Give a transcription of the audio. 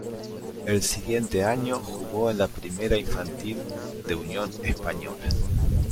El siguiente año jugó en la primera infantil de Unión Española.